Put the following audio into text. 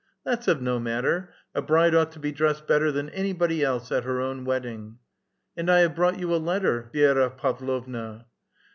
*' That's of no matter ! a bride ought to be dressed better than anybody else at her own wedding." " And I have brought you a letter, VilSra Pavlovna."